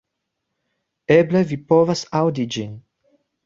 Eble vi povas aŭdi ĝin